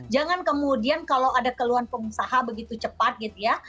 jangan kemudian kalau ada keluhan pengusaha begitu cepat gitu ya